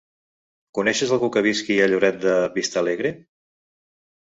Coneixes algú que visqui a Lloret de Vistalegre?